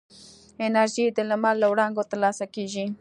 انرژي د لمر له وړانګو ترلاسه کېږي.